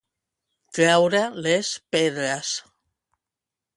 Treure les pedres.